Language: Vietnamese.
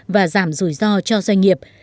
và giảm rủi ro cho doanh nghiệp